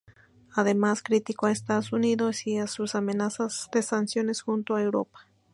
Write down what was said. Además, criticó a Estados Unidos y a sus amenazas de sanciones junto a Europa.